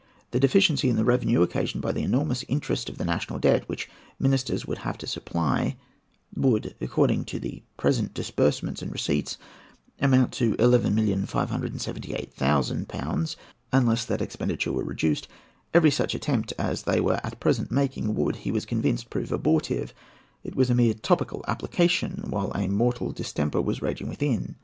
The deficiency in the revenue occasioned by the enormous interest of the national debt, which ministers would have to supply, would, according to the present disbursements and receipts, amount to 11,578,000£ unless that expenditure were reduced, every such attempt as they were at present making would, he was convinced, prove abortive: it was a mere topical application while a mortal distemper was raging within.